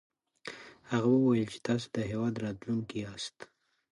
هغه وويل چې تاسې د هېواد راتلونکی ياست.